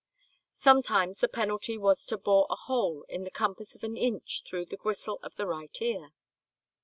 Sometimes the penalty was to bore a hole of the compass of an inch through the gristle of the right ear.